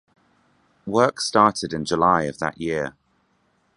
Work started in July of that year.